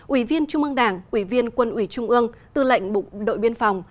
ủy viên trung ương đảng ủy viên quân ủy trung ương tư lệnh bộ đội biên phòng